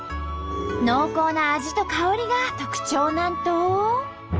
濃厚な味と香りが特徴なんと！